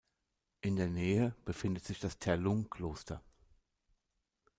In der Nähe befindet sich das Terlung-Kloster.